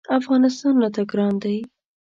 افغانستان راته ګران دی.